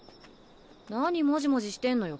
何もじもじしてんのよ？